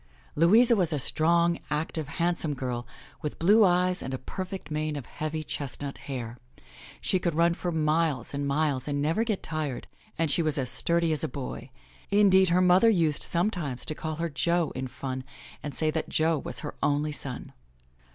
Louisa was a strong, active, handsome girl with blue eyes and a perfect mane of heavy chestnut hair. She could run for miles and miles and never get tired and she was as sturdy as a boy. Indeed, her mother used sometimes to call her Jo in fun and say that Jo was AY II MY BOOK HOUSE her only son.